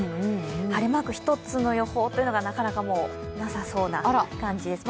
晴れマーク１つの予報というのが、なかなかなさそうな感じです。